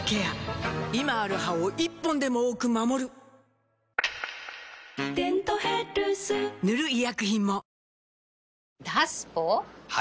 今ある歯を１本でも多く守る「デントヘルス」塗る医薬品も